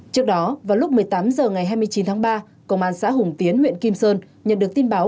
trước đó vào lúc một mươi tám h ngày hai mươi chín tháng ba công an xã hùng tiến huyện kim sơn nhận được tin báo